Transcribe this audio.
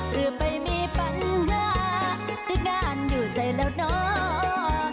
หรือไปมีปัญห้อที่งานอยู่ใส่แล่วหน้า